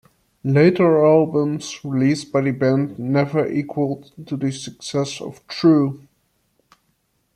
Later album releases by the band never equalled the success of "True".